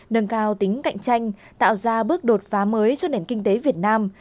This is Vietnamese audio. nâng cao tính cạnh tranh tạo ra bước đột phá mới cho nền kinh tế việt nam